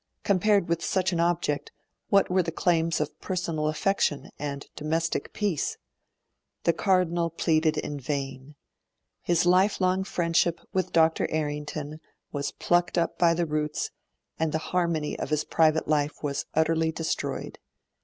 Compared with such an object, what were the claims of personal affection and domestic peace? The Cardinal pleaded in vain; his lifelong friendship with Dr. Errington was plucked up by the roots, and the harmony of his private life was utterly destroyed.